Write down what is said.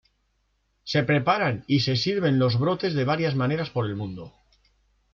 Se preparan y se sirven los brotes de varias maneras por el mundo.